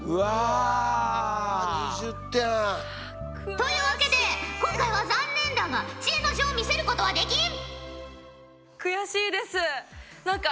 というわけで今回は残念だが知恵の書を見せることはできん！